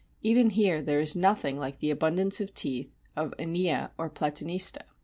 Even here there is nothing like the abundance of teeth of Inia or Platanista.